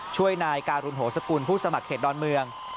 ช่วยนายการุณโหสกุลผู้สมัครเขตดอนเมือง